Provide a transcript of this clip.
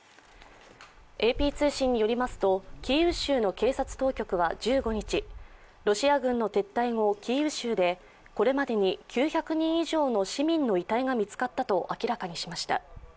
ＡＰ通信によりますと、キーウ州の警察当局は１５日、ロシア軍の撤退後、キーウ州でこれまでに９００人以上の市民の遺体が見つかったと明らかにしました。